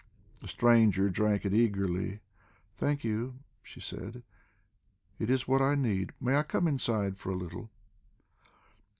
The stranger drank it eagerly. "Thank you," she said. "It is what I need. May I come inside for a little?"